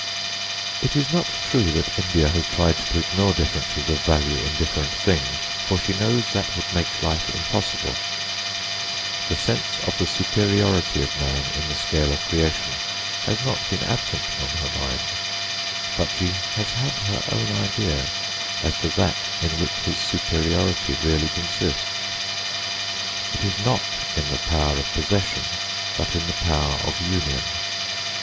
It is not true that India has tried to ignore differences of value in different things, for she knows that would make life impossible. The sense of the superiority of man in the scale of creation has not been absent from her mind. But she has had her own idea as to that in which his superiority really consists. It is not in the power of possession but in the power of union.